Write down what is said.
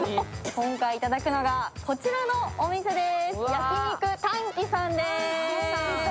今回いただくのが、こちらのお店です。